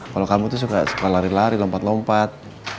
kalau kamu tuh suka suka lari lari lompat lompat